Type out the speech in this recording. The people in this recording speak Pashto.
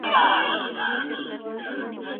زه اجازه لرم چي زده کړه وکړم؟!